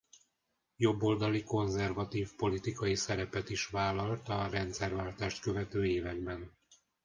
Jobboldali konzervatív politikai szerepet is vállalt a rendszerváltást követő években.